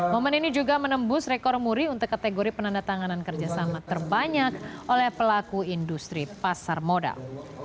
momen ini juga menembus rekor muri untuk kategori penandatanganan kerjasama terbanyak oleh pelaku industri pasar modal